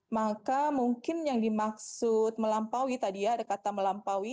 maka mungkin yang dimaksud melampaui tadi ya ada kata melampaui